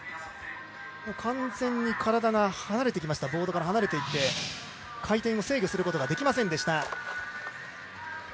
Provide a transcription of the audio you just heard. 完全に体がボードから離れていって回転を制御することができませんでした。